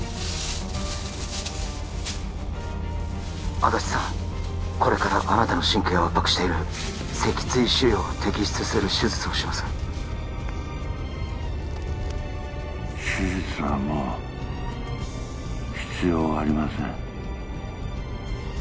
安達さんこれからあなたの神経を圧迫している脊椎腫瘍を摘出する手術をします手術はもう必要ありません